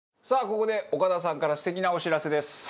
ここで岡田さんから素敵なお知らせです。